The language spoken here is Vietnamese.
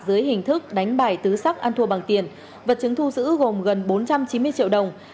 dưới hình thức đánh bài tứ sắc ăn thua bằng tiền vật chứng thu giữ gồm gần bốn trăm chín mươi triệu đồng